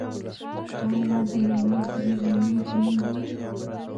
آیا د یوې ژبې ویونکي نه دي؟